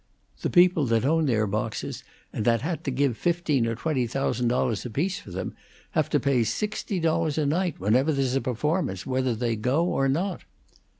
"The people that own their boxes, and that had to give fifteen or twenty thousand dollars apiece for them, have to pay sixty dollars a night whenever there's a performance, whether they go or not."